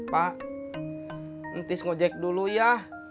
pak ntis ngejek dulu ya